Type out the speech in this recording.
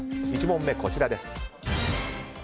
１問目、こちらです。